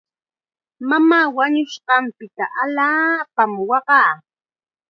Mamaa wañunqanpita allaapam waqaa.